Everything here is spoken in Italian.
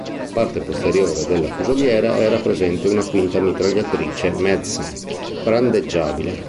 Nella parte posteriore della fusoliera era presente una quinta mitragliatrice Madsen, brandeggiabile.